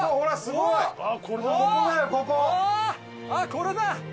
これだ！